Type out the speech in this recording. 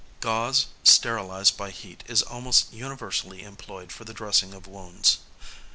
# Gauze, sterilised by heat, is almost universally employed for the dressing of wounds.